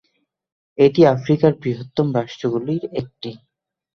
এটি আফ্রিকার বৃহত্তম রাষ্ট্রগুলির একটি।